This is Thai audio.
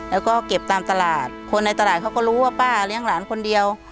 แล้วก็เก็บตามตลาดคนในตลาดเขาก็รู้ว่าป้าเลี้ยงหลานคนเดียว